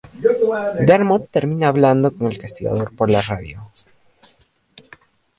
Dermot termina hablando con el Castigador por la radio.